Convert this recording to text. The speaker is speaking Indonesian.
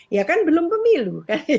ya kan belum pemilu